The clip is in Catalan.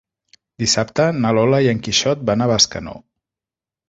Dissabte na Lola i en Quixot van a Bescanó.